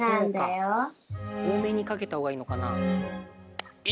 おおめにかけたほうがいいのかな？